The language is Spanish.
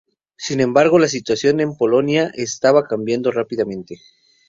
Sin embargo, la situación en Polonia estaba cambiando rápidamente.